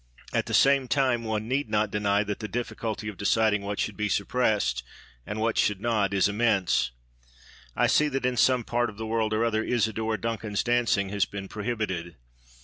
At the same time, one need not deny that the difficulty of deciding what should be suppressed and what should not is immense. I see that in some part of the world or other Isidora Duncan's dancing has been prohibited.